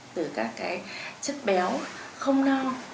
từ các chất béo không no